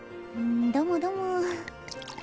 どもども。